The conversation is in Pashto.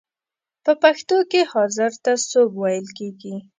په پښتو کې حاضر ته سوب ویل کیږی.